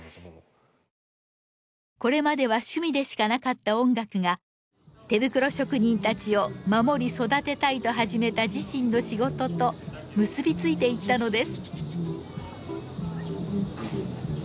これまでは趣味でしかなかった音楽が手袋職人たちを守り育てたいと始めた自身の仕事と結びついていったのです。